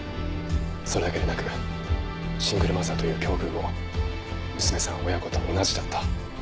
それだけでなくシングルマザーという境遇も娘さん親子と同じだった。